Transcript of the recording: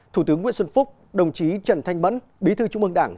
thủ tướng nguyễn xuân phúc đồng chí trần thanh bẫn bí thư trung mương đảng